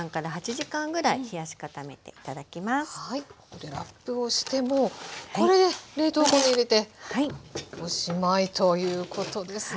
これラップをしてもうこれで冷凍庫に入れておしまいということですね。